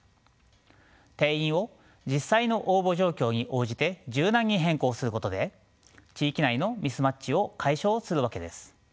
定員を実際の応募状況に応じて柔軟に変更することで地域内のミスマッチを解消するわけです。